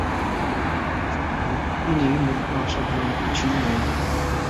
রুক্মিণীর মধ্যে অসাধারণ কিছুই নাই।